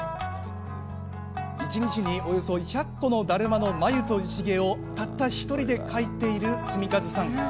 一日におよそ１００個のだるまの眉とひげをたった１人で描いている純一さん。